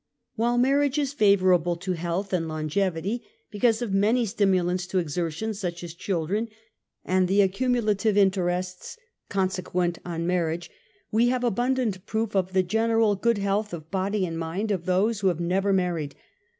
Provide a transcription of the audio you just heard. While marriage is favorable to health and longev ity, because of many stimulants to exertion such as children and the accumulative interests consequent on marriage, we have abundant proof of the general good health of body and mind of those who have never married.